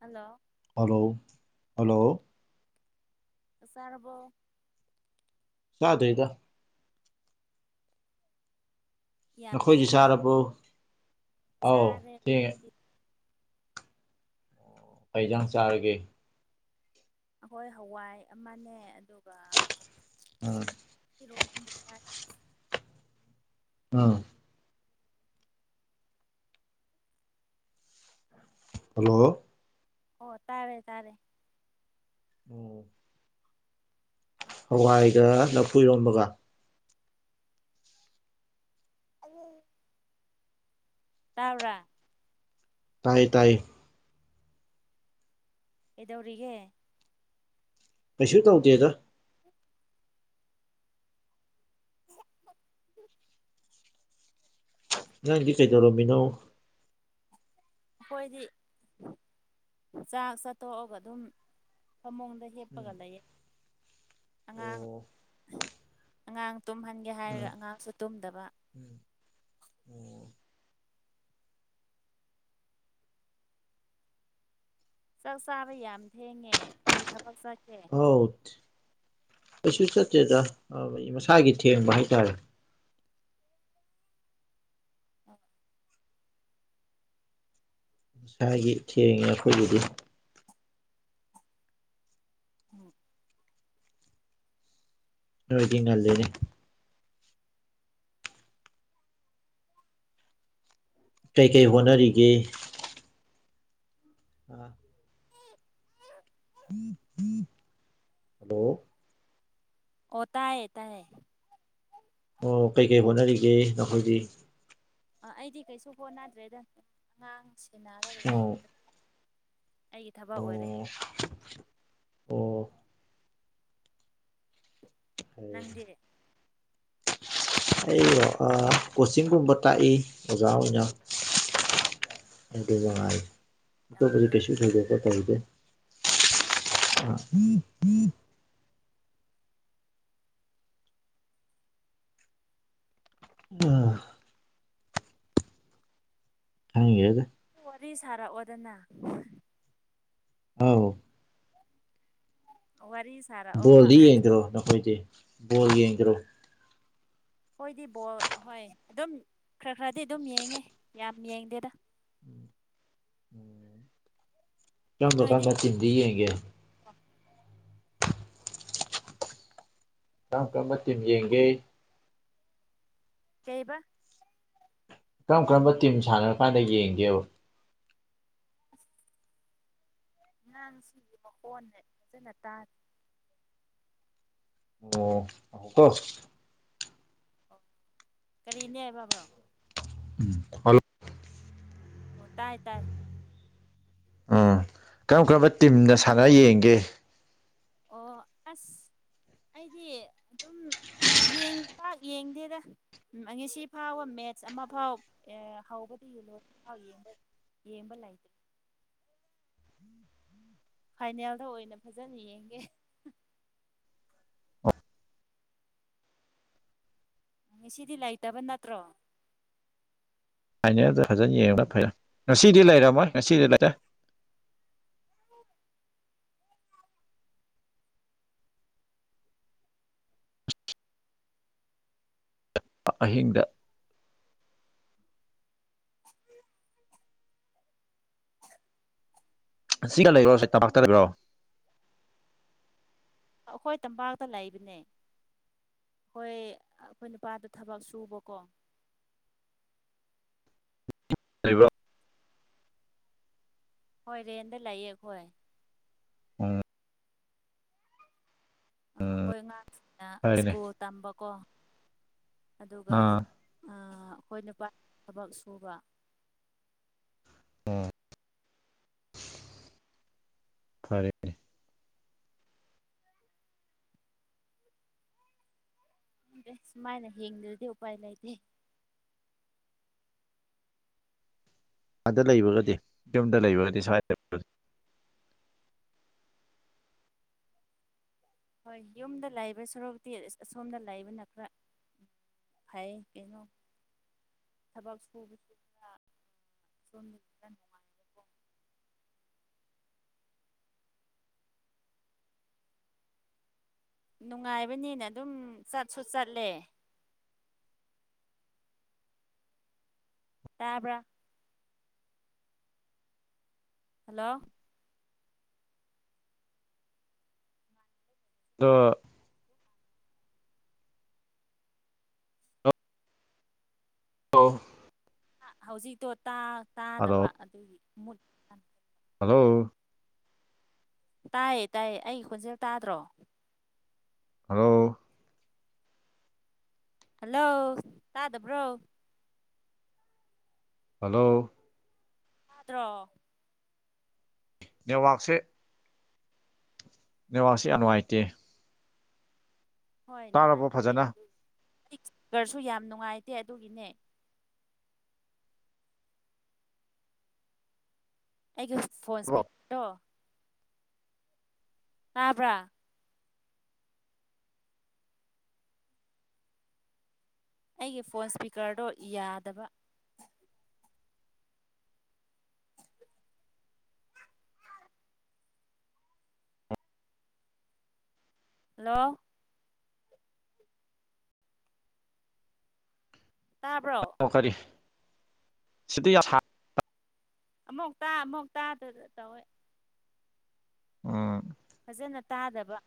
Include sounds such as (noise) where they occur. hello hello hello ꯑꯁꯔꯔꯕꯣ ꯁꯥꯗꯒ ꯌꯥꯝ ꯅꯈꯣꯏꯁꯤ ꯁꯥꯔꯕ ꯁꯥꯦ ꯍꯧ ꯑꯩ ꯏꯟꯖꯥꯡ ꯆꯥꯔꯒꯦ ꯑꯩꯈꯣꯏ ꯍꯋꯥꯏ ꯑꯃꯅꯦ ꯑꯗꯨꯒ ꯑꯣ ꯏ ꯑꯥ ꯍꯜꯂꯣ ꯑꯣ ꯇꯥꯔꯦ ꯇꯥꯔꯦ ꯑꯣ ꯍꯋꯥꯏꯒ ꯂꯐꯨꯔꯣꯝꯕꯒ ꯑꯗꯨ ꯇꯥꯎꯔꯥ ꯇꯥꯏ ꯇꯥꯏ ꯀꯗꯧꯒ ꯀꯩꯁꯨ ꯇꯧꯗꯦꯗ ꯅꯗꯤ ꯀꯩꯗꯧꯔꯣꯃꯤꯅꯣ ꯑꯩꯈꯣꯏꯗꯤ ꯆꯥꯛ ꯆꯥꯊꯣꯛꯑꯒ ꯑꯗꯨꯝ ꯊꯃꯨꯡꯗꯩ ꯎꯝ ꯂꯦꯞꯄꯒ ꯂꯩꯌꯦ ꯑꯉꯥꯡ ꯑꯣ ꯑꯉꯥꯡ ꯇꯨꯝꯍꯟ ꯒꯤ ꯍꯥꯏꯔꯒ ꯎꯝ ꯎꯝ ꯑꯉꯥꯡꯁꯨ ꯇꯨꯝꯗꯕ ꯆꯥꯛ ꯆꯥꯕ ꯌꯥꯝ ꯊꯦꯡꯉꯦ ꯀꯩ ꯊꯕꯛ ꯆꯠꯀꯦ ꯍꯧ ꯀꯩꯁꯨ ꯆꯠꯀꯦꯗ ꯃꯁꯥꯒꯤ ꯊꯦꯡꯕ ꯍꯥꯏꯇꯥꯔꯦ ꯏꯁꯁꯥꯒꯤ ꯊꯦꯡꯉꯦ ꯑꯩꯈꯣꯏꯒꯤꯗꯤ ꯎꯝ ꯅꯒ ꯉ ꯂꯩꯦꯅꯦ ꯀꯩ ꯀꯔꯤ ꯀꯩ ꯀꯔꯤ ꯍꯣꯠꯅꯔꯤꯒꯦ ꯑ ꯎꯝ ꯍꯜꯂꯣ ꯑꯣꯇꯥ ꯍ ꯑꯇꯥ ꯍ ꯑꯣ ꯀꯩ ꯀꯩ ꯍꯣꯠꯅꯔꯤꯒꯦ ꯅꯈꯣꯏꯗꯤ ꯑꯥ ꯑꯩꯗꯤ ꯀꯩꯁꯨ ꯍꯣꯠꯅꯗ꯭ꯔꯦꯗ ꯑꯉꯥꯡ ꯁꯦꯟꯅꯒ ꯑꯣ ꯂꯥꯏꯕꯗ ꯑꯩꯒꯤ ꯊꯕꯛ ꯑꯣ ꯑꯣꯏꯔꯦ ꯑꯣ ꯎꯝ ꯅꯪꯗꯤ ꯑꯩ ꯀꯣꯆꯤꯡꯒꯨꯝꯕ ꯇꯥꯛꯏ ꯑꯣꯖꯥ ꯑꯣꯏꯅ (unintelligible) ꯌꯥꯝ ꯅꯨꯡꯉꯥꯏ ꯐꯩꯌꯦ ꯀꯩꯁꯨ ꯊꯗꯦ ꯀ ꯇꯗꯦ ꯎꯝ ꯎꯝ ꯎꯝ ꯍꯪꯦ ꯑꯗꯨꯗ ꯑꯗꯨ ꯋꯥꯔꯤ ꯁꯥꯔꯛꯑꯣꯗꯅ ꯑꯥꯎ ꯋꯥꯔꯤ ꯁꯥꯔꯛꯑꯣꯕ ꯕꯣꯜꯗꯤ ꯌꯦꯡꯈ꯭ꯔꯣ ꯅꯈꯣꯏꯗꯤ ꯕꯣꯜ ꯌꯦꯡꯈ꯭ꯔꯣ ꯍꯣꯏꯗꯤ ꯕꯣꯜ ꯑꯣꯏ ꯑꯗꯨꯝ ꯈꯔ ꯈꯔꯗꯤ ꯑꯗꯨꯝ ꯌꯦꯡꯉꯦ ꯌꯥꯝ ꯌꯦꯡꯗꯦꯗ ꯆꯪꯗ ꯅꯣꯏꯗꯤ ꯀꯪꯗ ꯆꯤꯟꯗꯤꯒꯦ ꯅꯀ ꯑꯃ ꯇꯤꯟ ꯌꯦꯡꯒꯦ ꯀꯩꯕ ꯀꯔꯝ ꯀꯔꯝꯕ ꯇꯤꯝ ꯁꯥꯟꯅꯔ ꯀꯥꯟꯗ ꯌꯦꯡꯒꯦꯕ (inaudible) ꯑꯉꯥꯡꯁꯤꯒꯤ ꯃꯈꯣꯟꯅꯦ ꯐꯖꯅ ꯇꯥꯔꯦ ꯑꯣ ꯑꯀꯣ ꯑꯣ ꯀꯔꯤꯅꯦ ꯍꯥꯏꯕꯕ꯭ꯔꯣ ꯎꯝ ꯍꯜ ꯑꯣ ꯇꯥꯏ ꯇꯥꯏ ꯎꯝ ꯀꯔꯝ ꯀꯔꯝꯕ ꯇꯤꯝꯅ ꯁꯥꯟꯅ ꯌꯦꯡꯒꯦ ꯑꯣ ꯑꯁ ꯑꯩꯗꯤ ꯑꯗꯨꯝ ꯌꯦꯡ ꯇ ꯌꯦꯡꯗꯦꯗ ꯎꯝ ꯑꯩ ꯉꯁꯤ ꯐꯥꯎꯕ ꯃꯦꯠꯁ ꯑꯃ ꯐꯥꯎ ꯍꯧꯕꯗꯤ ꯌꯦꯂꯣꯏꯥꯎ ꯌꯦꯡꯕ ꯌꯦꯡꯕ ꯂꯥꯏꯦ ꯐꯥꯏꯅꯦꯜꯗ ꯑꯣꯏꯅ ꯐꯖꯅ ꯌꯦꯡꯒꯦ ꯪ ꯉ ꯁꯤꯗꯤ ꯂꯩꯇꯕ ꯅꯠꯇ꯭ꯔꯣ ꯍꯥꯏꯅꯗ ꯐꯖꯅ ꯌꯦꯡ ꯐꯩꯔꯦ ꯉꯁꯤꯗꯤ ꯂꯩꯔꯝꯃꯣꯏ ꯉꯁꯤꯗꯤ ꯂꯩꯔꯦ ꯑꯍꯤꯡꯗ ꯁꯤꯒ ꯂꯩꯕ꯭ꯔꯣ ꯁꯤ ꯇꯄꯥꯛꯇ ꯂꯩꯕꯤ꯭ꯔꯣ ꯑꯩꯈꯣꯏ ꯇꯝꯄꯥꯛꯇ ꯂꯩꯕꯅꯦ ꯍꯣꯏ ꯑꯩꯈꯣꯏ ꯅꯨꯄꯥꯗ ꯊꯕꯛ ꯁꯨꯕꯀꯣ ꯂꯩꯕ꯭ꯔꯣꯝ ꯍꯣꯏ ꯔꯦꯟꯗ ꯂꯥꯛꯌꯦ ꯑꯩꯈꯣꯏ ꯑ ꯑꯩꯈꯣꯏ ꯑꯉꯥꯡꯁꯤꯡꯅ ꯐꯔꯦꯅꯦ ꯁ꯭ꯀꯨꯜ ꯇꯝꯕꯀꯣ ꯑꯗꯨꯒ ꯑꯥ ꯑꯩꯈꯣꯏ ꯅꯨꯄꯥ ꯊꯕꯛ ꯁꯨꯕ ꯎꯝ ꯐꯔꯦ ꯎ ꯁꯨꯃꯥꯏꯅ ꯍꯡꯗ꯭ꯔꯗꯤ ꯎꯄꯥꯏ ꯂꯩꯇꯦ ꯑꯥꯗ ꯂꯩꯕꯒꯗꯤ ꯌꯨꯝꯗ ꯂꯩꯕꯒꯗꯤ ꯁ꯭ꯋꯥꯏꯗ ꯍꯣꯏ ꯌꯨꯝꯗ ꯂꯩꯕ ꯁꯣꯔꯣꯛꯇꯤ ꯑꯁꯣꯝꯗ ꯂꯩꯕꯅ ꯈꯔ ꯍꯥꯏ ꯀꯩꯅꯣ ꯁꯄ ꯁꯤꯐꯨ ꯁꯥ ꯁꯝ ꯌꯕꯤꯕꯥ ꯅꯉꯥꯏ ꯅꯨꯡꯉꯥꯏꯕꯅꯤꯅ ꯑꯗꯨꯝ ꯆꯠꯁꯨ ꯆꯠꯂꯦ ꯇꯥꯄ ꯍꯜꯂꯣ ꯑ ꯑ ꯍꯧꯖꯤꯛꯇꯣ ꯇꯥꯗꯕ ꯑꯗꯨꯒꯤ ꯃꯨꯠ ꯍꯜꯂꯣ ꯇꯥꯏꯌꯦ ꯇꯥꯏꯌꯦ ꯑꯩꯒꯤ ꯈꯣꯟꯖꯦꯜ ꯇꯥꯗ꯭ꯔꯣ ꯍꯂꯣ ꯍꯜꯂꯣ ꯇꯥꯗꯕ꯭ꯔꯣ ꯍꯜꯂꯣ ꯠꯇ꯭ꯔꯣ ꯅꯦꯋꯔꯥꯛꯁꯦ ꯦꯕꯁꯤ ꯌꯥꯝ ꯅꯨꯡꯉꯥꯏꯇꯦ ꯍꯣꯏ ꯇꯥꯔꯕꯣ ꯅꯨꯡꯉꯥꯏꯇꯦ ꯐꯖꯅ ꯑꯗꯨ ꯑꯩꯀꯔꯁꯨ ꯌꯥꯝ ꯅꯨꯡꯉꯥꯏꯇꯦ ꯑꯗꯨꯒꯤꯅꯦ ꯑꯩꯒꯤ ꯐꯣꯟꯁ ꯄꯤꯛꯇꯣ ꯇꯥꯕ꯭ꯔꯥ ꯑꯩꯒꯤ ꯐꯣꯟ ꯏꯁꯄꯤꯀꯔꯗꯣ ꯌꯥꯗꯕ ꯍꯜꯂꯣ ꯇꯥꯕ꯭ꯔꯣ ꯑꯣ ꯀꯔꯤ ꯁꯤꯗꯤ ꯌꯥꯝ ꯑꯃꯨꯛ ꯇꯥ ꯑꯃꯨꯛ ꯇꯥꯗꯗ ꯇꯧꯋꯦ ꯑ ꯐꯖꯅ ꯇꯥꯗꯕ